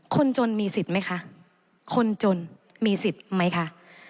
คนจนมีสิทธิ์ไหมคะคนจนมีสิทธิ์ไหมคะ